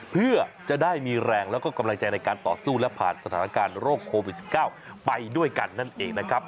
เพื่อจะได้มีแรงแล้วก็กำลังใจในการต่อสู้และผ่านสถานการณ์โรคโควิด๑๙ไปด้วยกันนั่นเองนะครับ